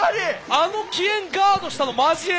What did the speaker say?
あの忌怨ガードしたのマジ偉い！